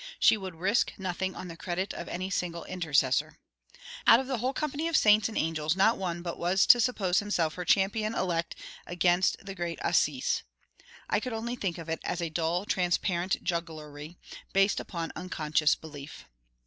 She would risk nothing on the credit of any single intercessor. Out of the whole company of saints and angels, not one but was to suppose himself her champion elect against the Great Assize! I could only think of it as a dull, transparent jugglery, based upon unconscious unbelief.